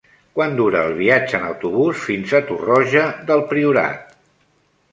Quant dura el viatge en autobús fins a Torroja del Priorat?